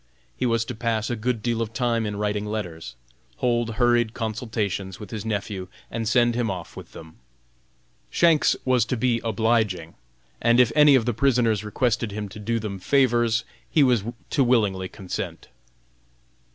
He was to pass a good deal of time in writing letters, hold hurried consultations with his nephew and send him off with them. Shanks was to be obliging, and if any of the prisoners requested him to do them favors, he was to willingly consent.